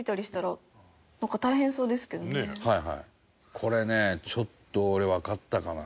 これねちょっと俺わかったかな。